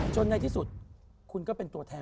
ในที่สุดคุณก็เป็นตัวแทน